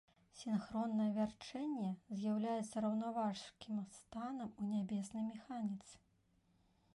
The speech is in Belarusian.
Сінхроннае вярчэнне з'яўляецца раўнаважкім станам у нябеснай механіцы.